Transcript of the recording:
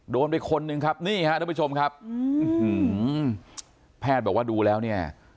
โดนไปคนนึงครับนี่ฮะทุกผู้ชมครับแพทย์บอกว่าดูแล้วเนี่ย